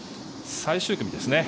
最終組ですね。